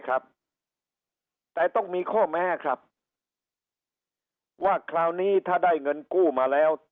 ครับแต่ต้องมีข้อแม้ครับว่าคราวนี้ถ้าได้เงินกู้มาแล้ว